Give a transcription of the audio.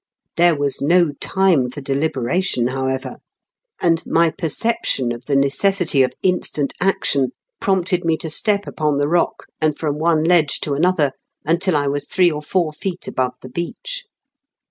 There was no time for deliberation, however, and my perception of the necessity of instant action prompted me to step upon the rock, and from one ledge to another, until I was three or four feet above the beach.